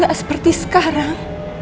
gak seperti sekarang